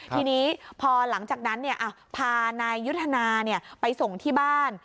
ทีนี้พอหลังจากนั้นพานายยุทธนาไปส่งที่บ้าน